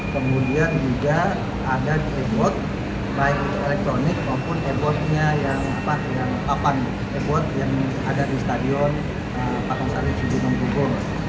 kemudian juga ada di ebot baik elektronik maupun ebotnya yang ada di stadion pakansari cibinong bogor